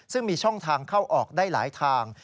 ซึ่งมีช่องทางเข้าออกได้หลายทาง